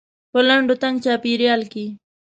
په لنډ و تنګ چاپيریال کې.